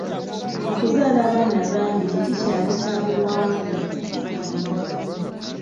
okuzaala abaana abangi tekikyali kyabuwangwa wano ewaffe